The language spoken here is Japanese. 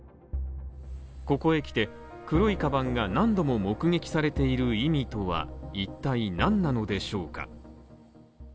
ここへきて、黒いカバンが何度も目撃されている意味とは一体何なのでしょうか。